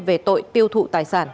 về tội tiêu thụ tài sản